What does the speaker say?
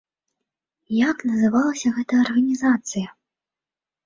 Як называлася гэта арганізацыя?